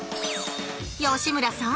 吉村さん